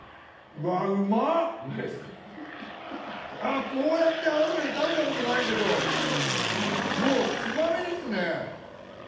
あっこうやって合わせて食べたことないけどもうつまみですね。